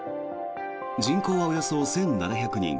人口はおよそ１７００人。